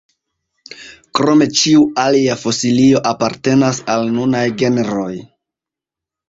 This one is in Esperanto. Krome ĉiu alia fosilio apartenas al nunaj genroj.